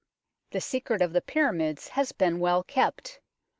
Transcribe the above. The secret of the Pyramids has been well kept.